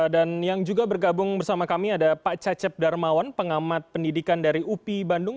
dan yang juga bergabung bersama kami ada pak cecep darmawan pengamat pendidikan dari upi bandung